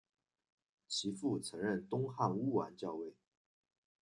其父曾任东汉乌丸校尉。